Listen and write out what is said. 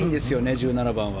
１７番は。